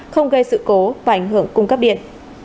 không gây sự cố và ảnh hưởng cung cấp điện